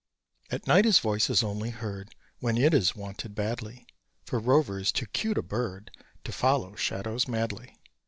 At night, his voice is only heard When it is wanted badly; For Rover is too cute a bird To follow shadows madly.